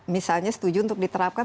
misalnya setuju untuk diterapkan